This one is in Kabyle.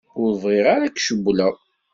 Ur bɣiɣ ara ad k-cewwleɣ.